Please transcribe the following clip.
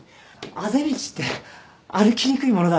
あぜ道って歩きにくいものだね。